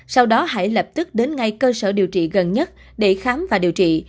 sau đó hải lập tức đến ngay cơ sở điều trị gần nhất để khám và điều trị